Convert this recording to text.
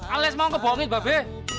ales mau kebongit babe